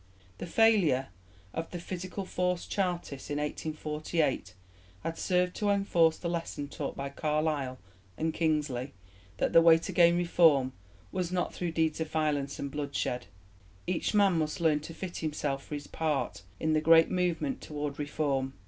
The failure of the "physical force" Chartists in 1848 had served to enforce the lesson taught by Carlyle and Kingsley, that the way to gain reform was not through deeds of violence and bloodshed. Each man must learn to fit himself for his part in the great movement toward Reform.